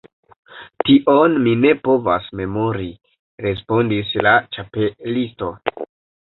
"Tion mi ne povas memori," respondis la Ĉapelisto.